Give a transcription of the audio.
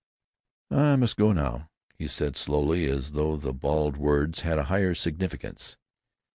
"I must go now," he said, slowly, as though the bald words had a higher significance.